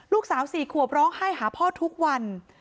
ลูกสาว๔ขวบร้องไห้หาพ่อทุกวัน